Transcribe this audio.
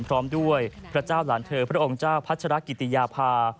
พร้อมด้วยพระเจ้าหลานเธอพระองค์เจ้าพัชรกิติยาภา